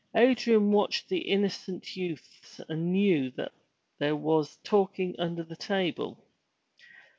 Adrian watched the innocent youths and knew that there was talking under the table.